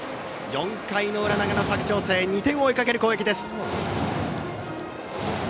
４回の裏、長野・佐久長聖２点を追いかける攻撃です。